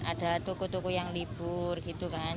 ada toko toko yang libur gitu kan